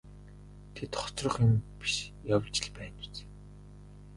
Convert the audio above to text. Тэд хоцрох юм биш явж л байна биз.